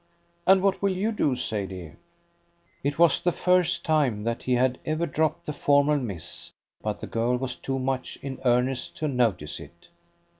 And what will you do, Sadie?" It was the first time that he had ever dropped the formal Miss, but the girl was too much in earnest to notice it.